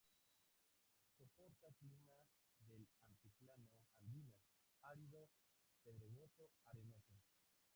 Soporta clima del altiplano andino, árido, pedregoso, arenoso.